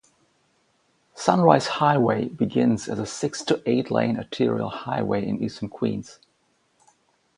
Sunrise Highway begins as a six to eight lane arterial highway in eastern Queens.